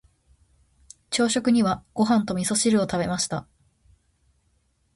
朝食にはご飯と味噌汁を食べました。